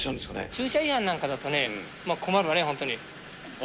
駐車違反なんかだとね、困るよね、本当にね。